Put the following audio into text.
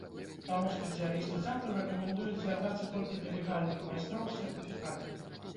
Таму спецыялісты цэнтру рэкамендуюць звяртацца толькі да легальных майстроў з сертыфікатамі.